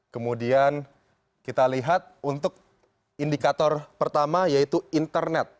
kemudian kita lihat untuk indikator pertama yaitu internet